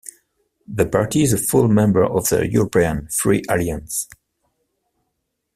The party is a full member of the European Free Alliance.